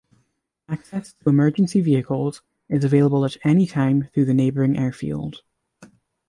Access to emergency vehicles is available at any time through the neighbouring airfield.